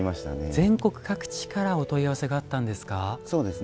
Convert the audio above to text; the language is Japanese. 全国各地からお問い合わせがあったんですか。